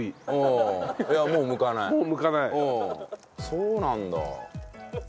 そうなんだ。